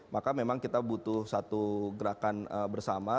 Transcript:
maka memang kita butuh satu gerakan bersama